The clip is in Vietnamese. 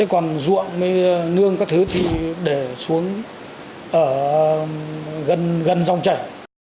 còn ruộng mới nương các thứ thì để xuống ở gần dòng chảy